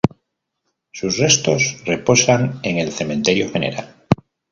Sus restos reposan en el Cementerio General.